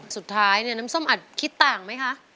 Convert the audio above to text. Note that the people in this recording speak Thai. สุดท้ายน้ำส้มอาจคิดต่างไหมคะ